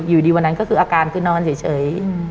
อยู่ดีวันนั้นก็คืออาการคือนอนเฉย